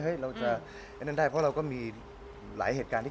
เพราะเราก็มีหลายเหตุการณ์ที่